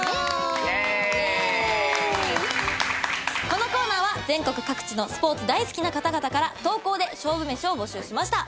このコーナーは全国各地のスポーツ大好きな方々から投稿で勝負めしを募集しました。